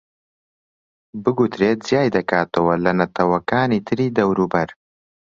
بگوترێت جیای دەکاتەوە لە نەتەوەکانی تری دەوروبەر